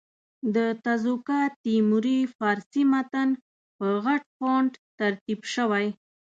د تزوکات تیموري فارسي متن په غټ فونټ ترتیب شوی.